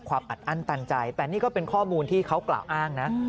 อัดอั้นตันใจแต่นี่ก็เป็นข้อมูลที่เขากล่าวอ้างนะ